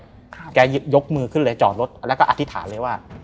แกหยิบยกมือขึ้นเลยจอดรถแล้วก็อธิษฐานเลยว่า